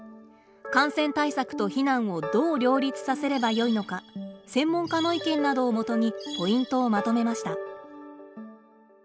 感染対策と避難をどう両立させればよいのか専門家の意見などをもとにポイントをまとめました。